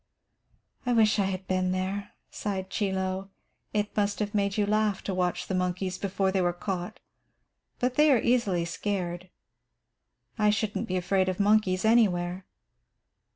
"I wish I had been there," sighed Chie Lo. "It must have made you laugh to watch the monkeys before they were caught. But they are easily scared. I shouldn't be afraid of monkeys anywhere."